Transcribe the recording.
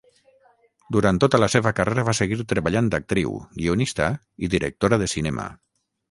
Durant tota la seva carrera va seguir treballant d'actriu, guionista i directora de cinema.